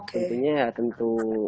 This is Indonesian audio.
tentunya ya tentu